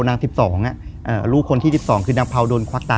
คือก่อนอื่นพี่แจ็คผมได้ตั้งชื่อเอาไว้ชื่อเอาไว้ชื่อว่าย่าเผา